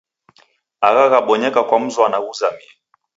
Agha ghabonyeka kwa mzwana ghuzamie.